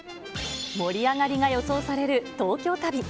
盛り上がりが予想される東京旅。